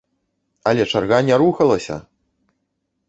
Але чарга не рухалася!